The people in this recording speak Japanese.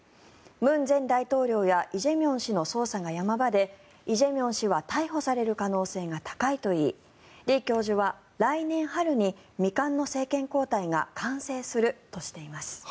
文前大統領やイ・ジェミョン氏の捜査が山場でイ・ジェミョン氏は逮捕される可能性が高いといい李教授は来年春に未完の政権交代が完成するとしています。